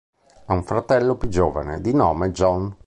Ha un fratello più giovane di nome Jon.